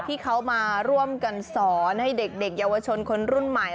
ที่เขามาร่วมกันสอนให้เด็กเยาวชนคนรุ่นใหม่